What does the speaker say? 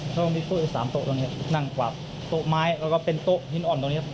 ช่วงที่คุย๓โต๊ะตรงนี้นั่งกวาดโต๊ะไม้แล้วก็เป็นโต๊ะหินอ่อนตรงนี้